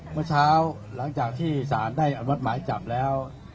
เมื่อเช้าหลังจากที่สารได้อนุมัติหมายจับแล้ว